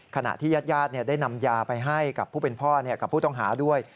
ขณะที่ญาติได้นำยาไปให้กับผู้เป็นพ่อกับผู้ต้องหาด้วย